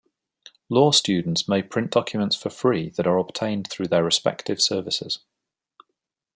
Law students may print documents for free that are obtained through their respective services.